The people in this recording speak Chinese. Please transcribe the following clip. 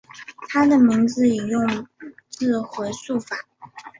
他的名字引用自回溯法。